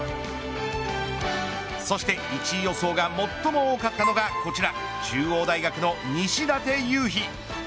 そして、１位予想が最も多かったのが、こちら中央大学の西舘勇陽。